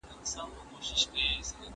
یوړاند